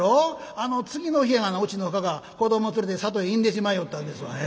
あの次の日うちのかか子ども連れて里へ去んでしまいよったんですわ。